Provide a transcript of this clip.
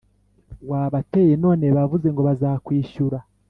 Wabateye none bavuze ngo bazakwishyura